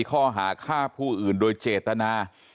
ข้อหาฆ่าผู้อื่นโดยเจตนา